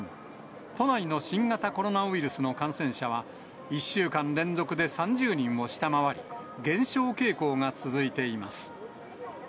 都内の新型コロナウイルスの感染者は、１週間連続で３０人を下回り、減少傾向が続いています。